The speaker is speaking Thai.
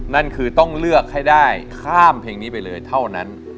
นั่นคือต้องเลือกให้ได้ข้ามเพลงนี้ไปเลยเท่านั้น